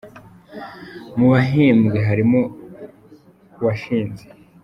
Mu bahembwe harimo washinze